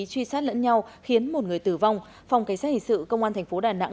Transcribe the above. truy sát lẫn nhau khiến một người tử vong phòng cảnh sát hình sự công an thành phố đà nẵng